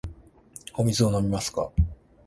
お水を飲みますか。